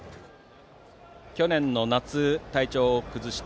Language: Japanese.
去年の夏、体調を崩して